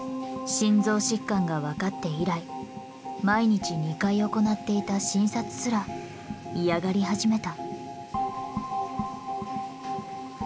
心臓疾患が分かって以来毎日２回行っていた診察すら嫌がり始めた。